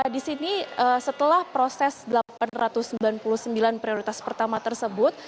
di sini setelah proses delapan ratus sembilan puluh sembilan prioritas pertama tersebut